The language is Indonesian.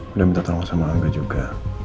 udah minta tolong sama angga juga